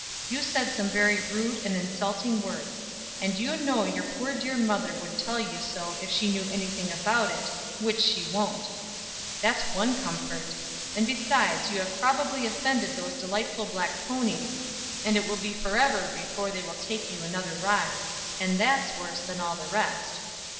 You said some very rude and insulting words, and you know your poor dear mother would tell you so if she knew any thing about it, which she won't; that's one comfort; and besides you have probably offended those delightful black ponies, and it will be forever before they will take you another ride, and that's worse than all the rest.